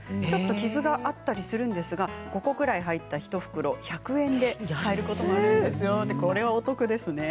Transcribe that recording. ちょっと傷があったりするんですが５個ぐらい入って１袋１００円で買えることもあるんですよ。